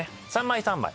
３枚３枚。